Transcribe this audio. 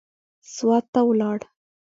سوات ته ولاړ.